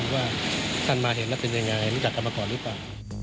ว่าท่านมาเห็นแล้วเป็นยังไงรู้จักกันมาก่อนหรือเปล่า